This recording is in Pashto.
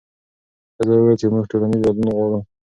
ښځو وویل چې موږ ټولنیز بدلون غواړو.